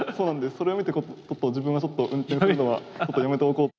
それを見て、自分はちょっと、運転をするのは、ちょっとやめておこうと。